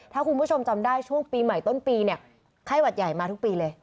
ถ้าคุณผู้ชมจำได้ช่วงปีใหม่ต้นปีเนี่ยไข้หวัดใหญ่มาทุกปีเลย